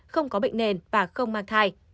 không có bệnh nền và không mang thai